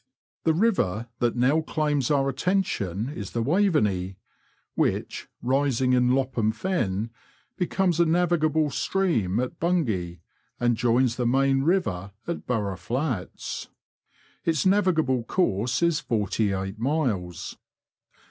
The river that now claims our attention is the Waveney, which, rising in Lopham Fen, becomes a navigable stream at Bungay, and joins the main river at Burgh Flats. Its navigable course is forty eight miles.